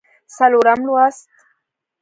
څلورم لوست